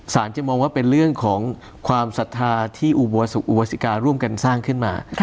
จะมองว่าเป็นเรื่องของความศรัทธาที่อุบัสิการ่วมกันสร้างขึ้นมา